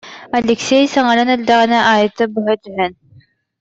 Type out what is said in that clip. Алексей саҥаран эрдэҕинэ, Айта быһа түһэн: